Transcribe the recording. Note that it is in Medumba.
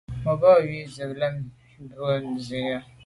Me ba we ze be me lem ju mbwe Nsi à.